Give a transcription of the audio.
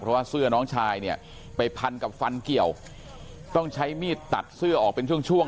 เพราะว่าเสื้อน้องชายเนี่ยไปพันกับฟันเกี่ยวต้องใช้มีดตัดเสื้อออกเป็นช่วงช่วง